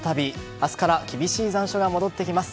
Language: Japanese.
明日から厳しい残暑が戻ってきます。